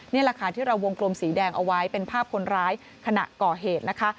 นี่แหละค่ะที่เราวงกลมสีแดงเอาไว้เป็นภาพคนร้ายขณะก่อเหตุนะคะ